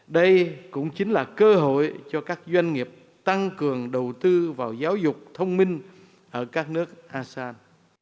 đây cũng chính là cơ hội cho các doanh nghiệp tăng cường đầu tư vào giáo dục thông minh ở các nước asean